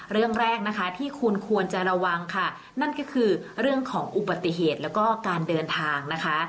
เรื่องแรกนะคะที่คุณควรจะระวังค่ะนั่นก็คือเรื่องของอุบัติเหตุแล้วก็การเดินทางนะคะ